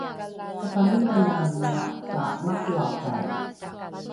kapamenanaenga ka makoakai